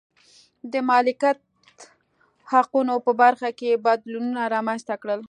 د مالکیت حقونو په برخه کې یې بدلونونه رامنځته کړل.